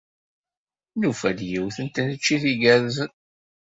Nufa-d yiwet n tneččit igerrzen.